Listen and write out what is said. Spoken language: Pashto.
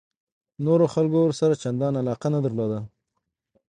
نورو خلکو ورسره چندان علاقه نه درلوده.